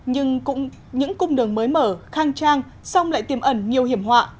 nhưng cũng những cung đường mới mở khang trang song lại tiêm ẩn nhiều hiểm họa